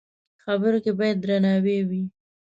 خبرو کې باید درناوی وي